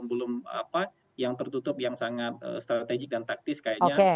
belum apa yang tertutup yang sangat strategik dan taktis kayaknya